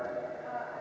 mendinggal dunia semua